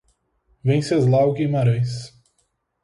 Wenceslau Guimarães